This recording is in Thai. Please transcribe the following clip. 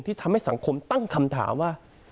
ทำให้สังคมตั้งคำถามว่า